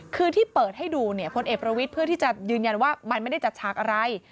คือที่เปิดให้ดูเนี่ยพลเอกประวิทย์เพื่อที่จะยืนยันว่ามันไม่ได้จัดฉากอะไร